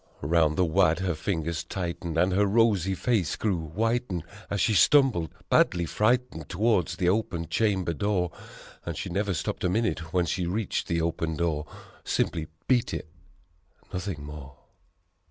'Round the wad her fingers tightened and her rosy face grew whitened, As she stumbled, badly frightened, towards the open chamber door And she never stopped a minute when she reached the open door Simply beat it, nothing more.